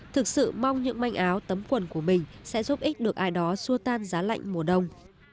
thực sự mong những manh áo tấm quần của mình sẽ giúp ích được ai đó xua tan giá lạnh mùa đông